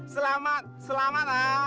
selamat selamat ya